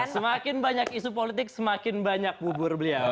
semakin banyak isu politik semakin banyak bubur beliau